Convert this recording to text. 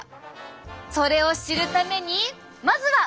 それを知るためにまずは！